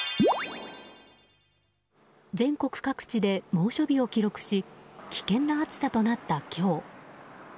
全国各地で猛暑日を記録し危険な暑さとなった今日。